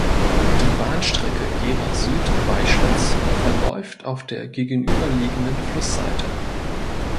Die Bahnstrecke Gera Süd–Weischlitz verläuft auf der gegenüberliegenden Flussseite.